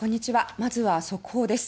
まずは速報です。